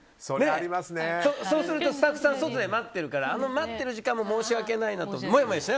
そうすると、スタッフさん外で待ってるからあの待っている時間も申し訳ないもやもやでしょ。